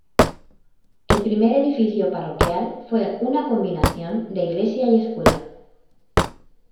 El primer edificio parroquial fue una combinación de iglesia y escuela.